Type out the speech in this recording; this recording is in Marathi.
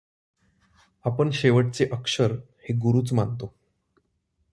आपण शेवटचे अक्षर हे गुरूच मानतो.